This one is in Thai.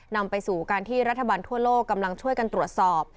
นำไปสู่การที่รัฐบาลทั่วโลกกำลังช่วยกันตรวจสอบ